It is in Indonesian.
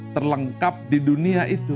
terlengkap di dunia itu